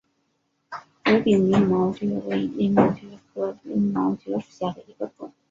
无柄鳞毛蕨为鳞毛蕨科鳞毛蕨属下的一个种。